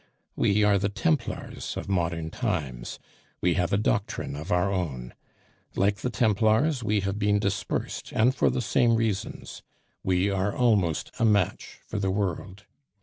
We are the Templars of modern times; we have a doctrine of our own. Like the Templars, we have been dispersed, and for the same reasons; we are almost a match for the world.